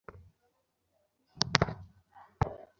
ওহ, Dolly.